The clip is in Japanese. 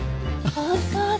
本当だ。